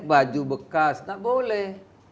baju bekas gak boleh